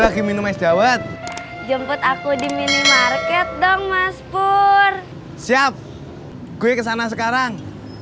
gw kesana sekarang